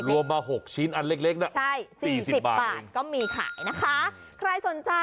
อ๋อรวมมา๖ชิ้นอันเล็กนะ